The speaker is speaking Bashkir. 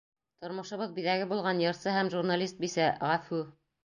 Тормошобоҙ биҙәге булған йырсы һәм журналист бисә... ғәфү!